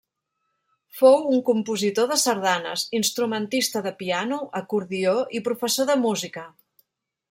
Fou un compositor de sardanes, instrumentista de piano, acordió i professor de música.